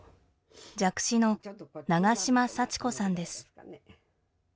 弱視の永島幸子さんです。